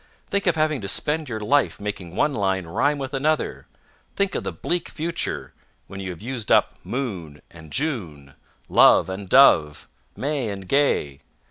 "Think of having to spend your life making one line rhyme with another! Think of the bleak future, when you have used up 'moon' and 'June,' 'love' and 'dove,' 'May' and 'gay'!